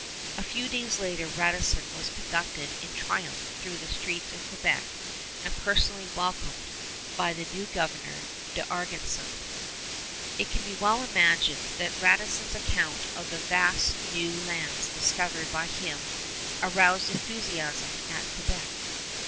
A few days later Radisson was conducted in triumph through the streets of Quebec and personally welcomed by the new governor, d'Argenson. It can well be imagined that Radisson's account of the vast new lands discovered by him aroused enthusiasm at Quebec.